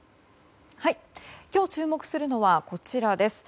今日、注目するのはこちらです。